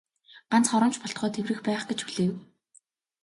Ганц хором ч болтугай тэврэх байх гэж хүлээв.